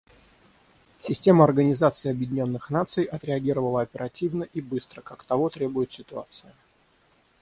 Система Организации Объединенных Наций отреагировала оперативно и быстро, как того требует ситуация.